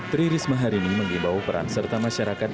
tririsma hari ini mengimbau peran serta masyarakat